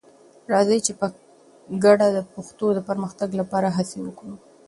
راځئ چې په ګډه د پښتو د پرمختګ لپاره هڅې وکړو.